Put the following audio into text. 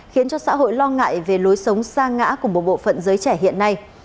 khiến cho xã hội lo ngại về lối sống xa ngã của một bộ phận giới trẻ hiện nay